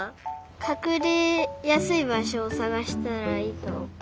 かくれやすいばしょをさがしたらいいと。